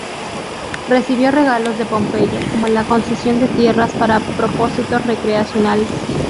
Recibió regalos de Pompeyo como la concesión de tierras para propósitos recreacionales.